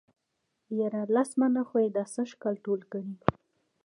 ياره لس منه خو يې دا سږ کال ټول کړي.